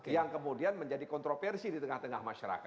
yang kemudian menjadi kontroversi di tengah tengah masyarakat